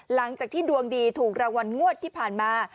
หลังจากที่ดวงดีถูกรางวัลงวดที่ผ่านมา